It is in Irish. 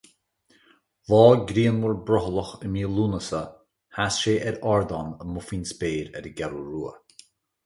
Lá grianmhar brothallach i mí Lúnasa, sheas sé ar ardán amuigh faoin spéir ar an gCeathrú Rua.